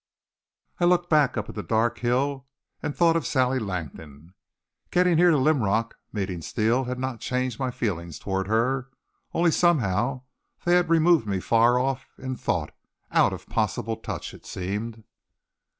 I looked back up at the dark hill and thought of Sally Langdon. Getting here to Linrock, meeting Steele had not changed my feelings toward her, only somehow they had removed me far off in thought, out of possible touch, it seemed.